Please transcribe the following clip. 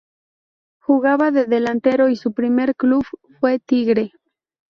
Jugaba de delantero y su primer club fue Tigre.